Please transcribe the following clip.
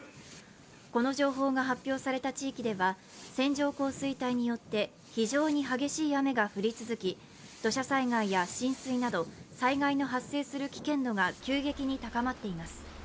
この情報が発表された地域では線状降水帯によって非常に激しい雨が降り続き土砂災害や浸水など災害の発生する危険度が急激に高まっています